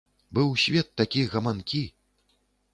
Быў свет такі гаманкі.